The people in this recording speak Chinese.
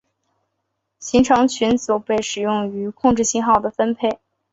行程群组被使用于控制信号的分配。